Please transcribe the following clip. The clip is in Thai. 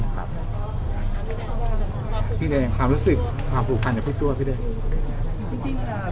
ครับพี่แดงความรู้สึกความผูกคันกับพี่ตัวพี่ด้วยจริงจริงค่ะ